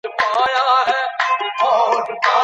اولس به د ناوړه پريکړو پر وړاندې ودرېږي.